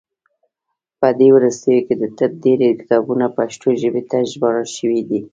په دې وروستیو کې د طب ډیری کتابونه پښتو ژبې ته ژباړل شوي دي.